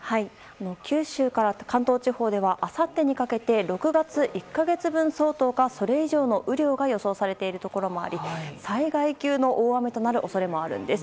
九州から関東地方ではあさってにかけて６月１か月分相当かそれ以上の雨量が予想されているところもあり災害級の大雨となる恐れもあるんです。